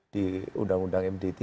di undang undang md tiga